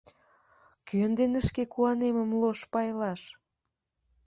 Кӧн дене шке куанемым лош пайлаш?